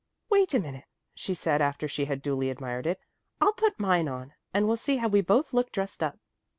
"Wait a minute," she said after she had duly admired it. "I'll put mine on, and we'll see how we both look dressed up."